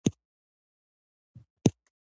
منډه د ذهني ستړیا کموي